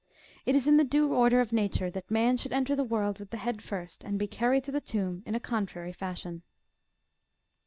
It is in the due order of nature that man should enter the world with the head first, and be carried to the tomb in a contrary fashion.